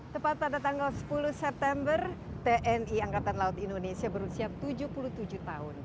tepat pada tanggal sepuluh september tni angkatan laut indonesia berusia tujuh puluh tujuh tahun